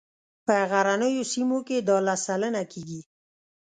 په غرنیو سیمو کې دا لس سلنه کیږي